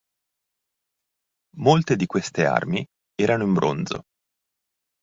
Molte di queste armi erano in bronzo.